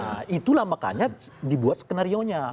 nah itulah makanya dibuat skenario nya